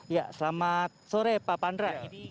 ya selamat sore pak pandra